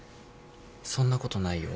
そんなことないよ。